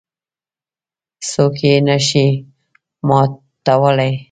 څوک یې نه شي ماتولای.